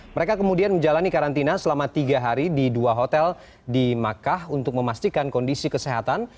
mereka kemudian menjalani karantina selama tiga hari di dua hotel di makkah untuk memastikan kondisi kesehatan